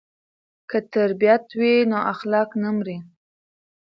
که تربیت وي نو اخلاق نه مري.